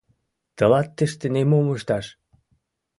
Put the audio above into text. — Тылат тыште нимом ышташ!